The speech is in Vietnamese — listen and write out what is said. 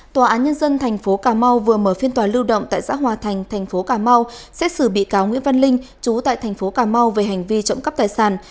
tòa án nhân dân thành phố cà mau vừa mở phiên tòa lưu động tại xã hòa thành thành phố cà mau xét xử bị cáo nguyễn văn linh chú tại thành phố cà mau về hành vi trộm cắp tài sản